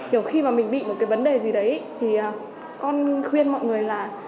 kiểu khi mà mình bị một cái vấn đề gì đấy thì con khuyên mọi người là